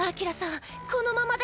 このままでは。